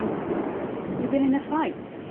You been in a fight?